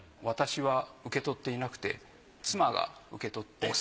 私は受け取っていなくて妻が受け取って。